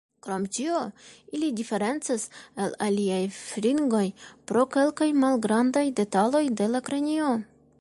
Krom tio, ili diferencas el aliaj fringoj pro kelkaj malgrandaj detaloj de la kranio.